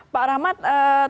pak rahmat tapi